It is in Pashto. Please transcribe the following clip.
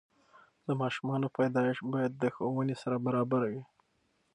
د ماشومانو پیدایش باید د ښوونې سره برابره وي.